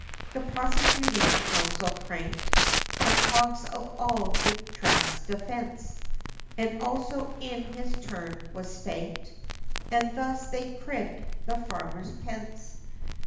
The prosecuting counsel, cranked The cogs of all the tramp's defence, And also in his turn, was spanked, And thus, they cribbed the farmer's pence.